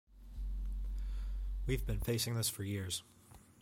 We've been facing this for years.